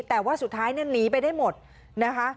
แต่ว่าสุดท้ายเนี่ยหนีไปได้หมดนะคะ